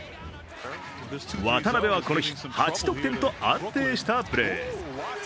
渡邊はこの日８得点と安定したプレー。